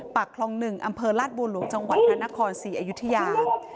ปรักษ์ครอง๑อำเภอราชบัวลวงจังหวัดพระนคร๔อายุทยา